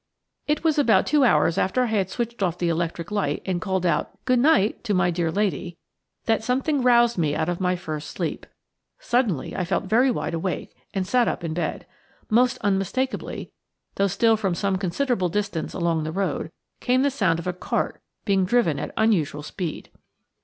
It was about two hours after I had switched off the electric light and called out "Good night" to my dear lady, that something roused me out of my first sleep. Suddenly I felt very wide awake, and sat up in bed. Most unmistakably–though still from some considerable distance along the road–came the sound of a cart being driven at unusual speed.